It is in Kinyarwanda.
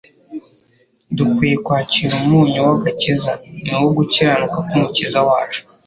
Dukwiye kwakira umunyu w'agakiza, ni wo gukiranuka k'Umukiza wacu,